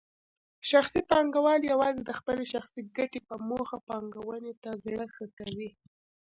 شخصي پانګوال یوازې د خپلې شخصي ګټې په موخه پانګونې ته زړه ښه کوي.